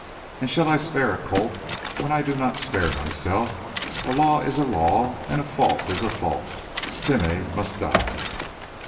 And shall I spare a colt when I do not spare myself? A law is a law and a fault is a fault. Timeh must die!"